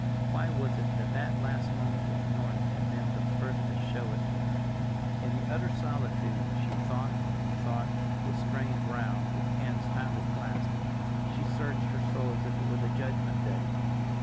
Why was it that that last moment with Norton had been the first to show it to her? In the utter solitude she thought and thought, with strained brow, with hands tightly clasped. She searched her soul as if it were the judgment day.